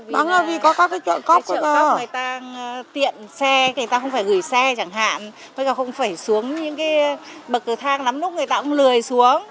vắng là vì có các chợ cóc người ta tiện xe người ta không phải gửi xe chẳng hạn không phải xuống những bậc cửa thang lắm lúc người ta cũng lười xuống